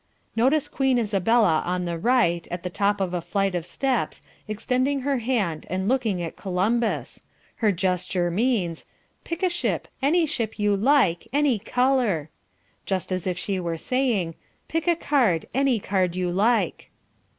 Notice Queen Isabella on the right, at the top of a flight of steps, extending her hand and looking at Columbus. Her gesture means, "Pick a ship, any ship you like, any colour." Just as if she were saying, "Pick a card, any card you like."